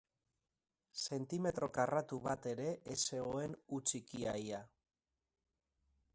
Zentimetro karratu bat ere ez zegoen hutsik ia-ia.